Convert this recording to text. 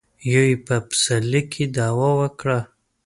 يو يې په پسرلي کې دعوه وکړه.